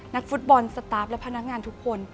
นักฟุตบอลสตาร์ฟและพนักงานทุกคน